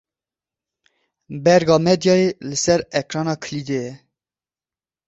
Berga medyayê li ser ekrana kilîdê ye.